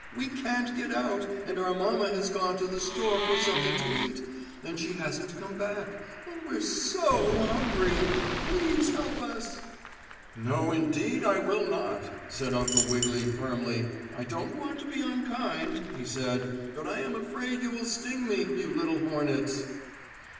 We can't get out, and our mamma has gone to the store for something to eat, and she hasn't come back; and we're so hungry. Please help us!" "No indeed, I will not!" said Uncle Wiggily firmly. "I don't want to be unkind," he said, "but I am afraid you will sting me, you little hornets!"